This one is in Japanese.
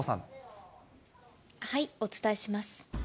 お伝えします。